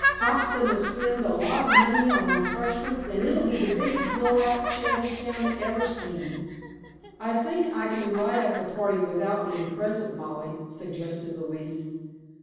Pop's goin' to spend a lot of money on refreshments an' it'll be the biggest blow out Chazy County ever seen!" "I think I can write up the party without being present, Mollie," suggested Louise.